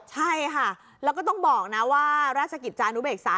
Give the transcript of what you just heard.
ใช่ค่ะแล้วก็ต้องบอกนะว่าราชกิจจานุเบกษา